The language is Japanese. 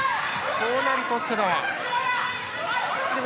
こうなると瀬川は。